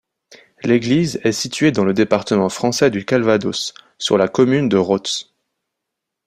L'église est située dans le département français du Calvados, sur la commune de Rots.